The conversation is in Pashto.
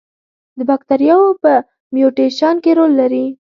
د باکتریاوو په میوټیشن کې رول لري.